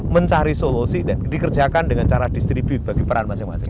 mencari solusi dan dikerjakan dengan cara distribute bagi peran masing masing